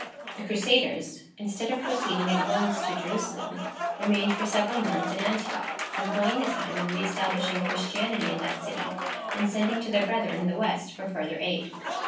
The Crusaders, instead of proceeding at once to Jerusalem, remained for several months in Antioch, employing the time in re establishing Christianity in that city, and sending to their brethren in the West for further aid.